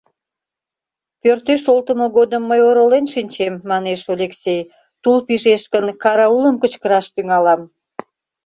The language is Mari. — Пӧртеш олтымо годым мый оролен шинчем, манеш Олексей, — тул пижеш гын, караулым кычкыраш тӱҥалам.